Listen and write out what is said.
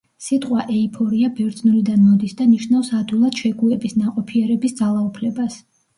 სიტყვა ეიფორია ბერძნულიდან მოდის და ნიშნავს „ადვილად შეგუების, ნაყოფიერების ძალაუფლებას“.